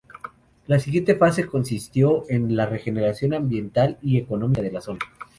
La siguiente fase consistió en la regeneración ambiental y económica de la zona.